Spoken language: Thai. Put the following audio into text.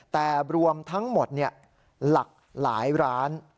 แต่รวมทั้งหมดหลากหลายร้าน